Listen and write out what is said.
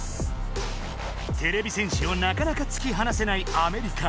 てれび戦士をなかなかつきはなせないアメリカ。